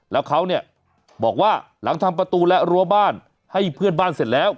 แล้วเขาเนี่ยบอกว่าหลังทำประตูและรั้วบ้านให้เพื่อนบ้านเสร็จแล้ว